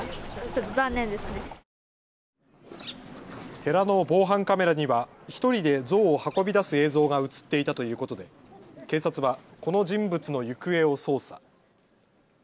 寺の防犯カメラには１人で像を運び出す映像が写っていたということで警察はこの人物の行方を捜査。